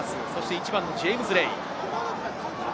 １番はジェームズ・レイです。